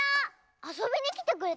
あそびにきてくれたの？